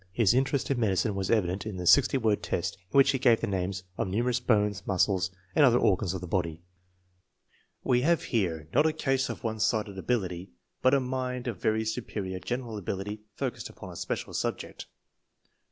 His interest in medicine was evident in the sixty word test, in which he gave the names of numer ous bones, muscles, and other organs of the body. We FORTY ONE SUPEBIOR CHILDREN 207 have here not a case of one sided ability, but a mind of very superior general ability focussed upon a special subject.